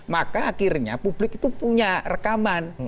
maka akhirnya publik itu punya rekaman